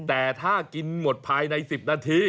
แต่ถ้ากินหมดภายใน๑๐นาที